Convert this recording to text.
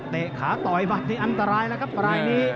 เตะขาต่อยบัตรที่อันตรายแล้วครับอันตรายนี้